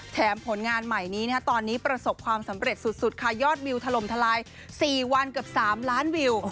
ผลงานใหม่นี้ตอนนี้ประสบความสำเร็จสุดค่ะยอดวิวถล่มทลาย๔วันเกือบ๓ล้านวิว